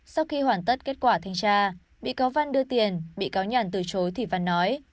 sau khi hoàn tất kết quả thanh tra bị cáo văn đưa tiền bị cáo nhàn từ chối thị văn nói